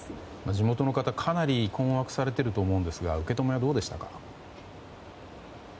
地元の方かなり困惑されていると思いますが受け止め、どうでしたか？